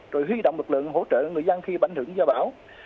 rồi huy động lực lượng hỗ trợ người dân khi bảnh hưởng do bão